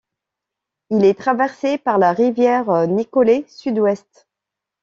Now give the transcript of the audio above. Il est traversé par la Rivière Nicolet Sud-Ouest.